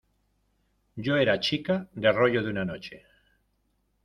yo era chica de rollo de una noche.